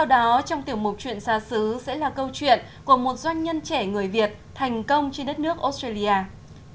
trong tử mục chuyện việt nam ngày hôm nay chúng tôi xin giới thiệu tới quý vị những chia sẻ của đại sứ đan mạch tại việt nam